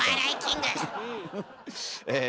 え！